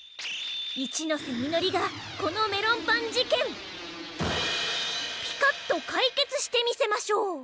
一之瀬みのりがこのメロンパン事件ピカッと解決してみせましょう！